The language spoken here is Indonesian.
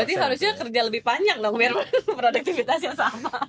berarti harusnya kerja lebih panjang dong biar produktivitasnya sama